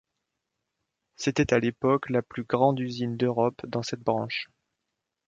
C'était à l'époque la plus grande usine d'Europe dans cette branche.